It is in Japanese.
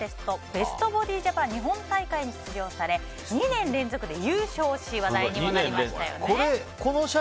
ベストボディ・ジャパン日本大会に出場され、２年連続で優勝し話題になりましたよね。